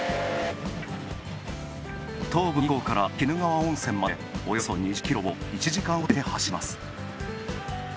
東武日光から鬼怒川温泉までおよそ２０キロを１時間ほどかけて走ります。